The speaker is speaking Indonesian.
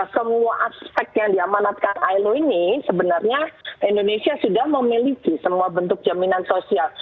semua aspek yang diamanatkan ilo ini sebenarnya indonesia sudah memiliki semua bentuk jaminan sosial